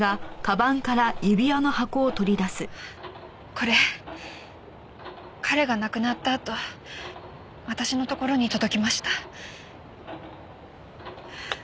これ彼が亡くなったあと私のところに届きました。